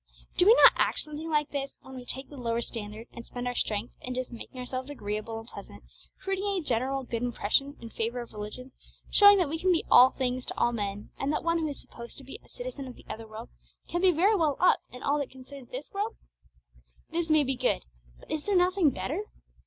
Do we not act something like this when we take the lower standard, and spend our strength in just making ourselves agreeable and pleasant, creating a general good impression in favour of religion, showing that we can be all things to all men, and that one who is supposed to be a citizen of the other world can be very well up in all that concerns this world? This may be good, but is there nothing better?